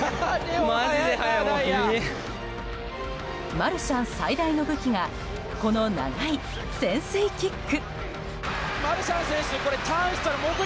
マルシャン最大の武器がこの長い潜水キック。